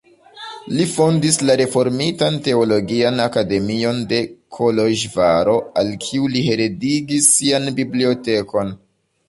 Li fondis la reformitan teologian akademion de Koloĵvaro, al kiu li heredigis sian bibliotekon.